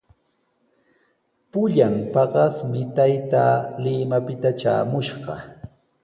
Pullan paqasmi taytaa Limapita traamushqa.